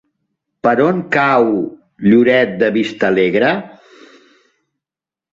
Per on cau Lloret de Vistalegre?